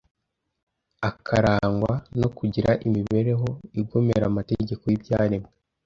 akarangwa no kugira imibereho igomera amategeko y’ibyaremwe